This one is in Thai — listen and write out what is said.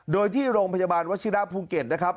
โดยที่โรงพยาบาลวัชิระภูเก็ตนะครับ